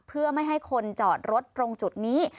เพื่อไม่ให้คนจอดรถตรงจุดนี้